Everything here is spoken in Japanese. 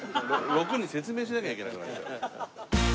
６に説明しなきゃいけなくなっちゃう。